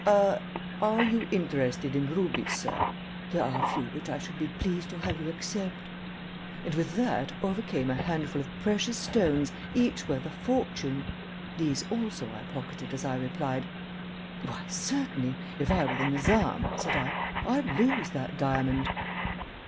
"Ah are you interested in rubies, sir? There are a few which I should be pleased to have you accept" and with that over came a handful of precious stones each worth a fortune. These also I pocketed as I replied: "Why, certainly; if I were the Nizam," said I, "I'd lose that diamond."